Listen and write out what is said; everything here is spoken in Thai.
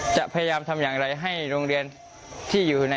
จะพยายามทำอย่างไรให้โรงเรียน